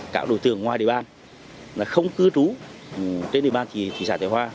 các đối tượng ngoài địa bàn không cư trú trên địa bàn thị xã thái hòa